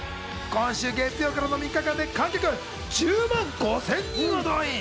今週月曜からの３日間で観客１０万５０００人を動員。